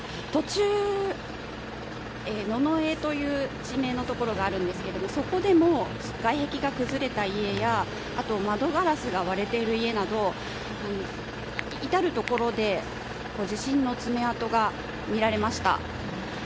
途中、ノノエという地名のところがあるんですけれども、そこでも外壁が崩れた家や窓ガラスが割れている家など至るところで地震の爪痕が見られました。